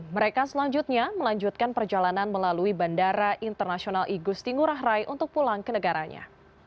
mereka selanjutnya melanjutkan perjalanan melalui bandara internasional igusti ngurah rai untuk pulang ke negaranya